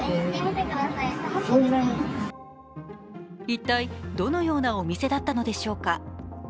一体どのようなお店だったのでしょうか。